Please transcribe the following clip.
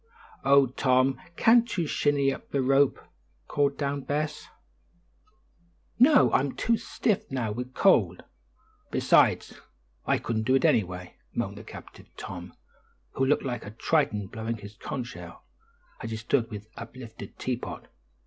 "Oh, Tom, can't you shinny up the rope?" called down Bess. "No. I'm too stiff now with cold; besides, I couldn't do it anyway," moaned the captive Tom, who looked like a Triton blowing on a conch shell, as he stood with uplifted teapot.